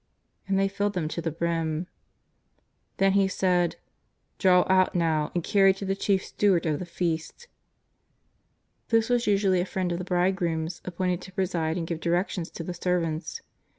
And they filled them to the brim. Then He said :" Draw out now and carry to the chief steward of the feast." This was usually a friend of the bridegroom's ap pointed to preside and give directions to the servants.